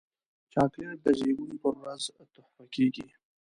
چاکلېټ د زیږون پر ورځ تحفه کېږي.